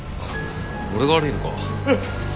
俺が悪いのか？